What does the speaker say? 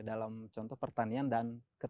dalam contoh pertanian dan